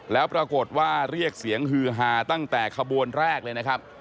แล้วปรากฏว่าเรียกเสียงฮือฮาตั้งแต่ขบวนแรกเลยนะครับ